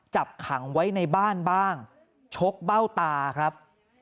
จับขังไว้ในบ้านบ้างชกเบ้าตาครับ